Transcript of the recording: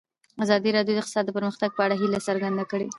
ازادي راډیو د اقتصاد د پرمختګ په اړه هیله څرګنده کړې.